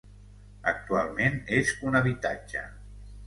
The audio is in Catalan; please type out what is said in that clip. Actualment és un habitatge.